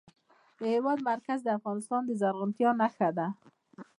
د هېواد مرکز د افغانستان د زرغونتیا نښه ده.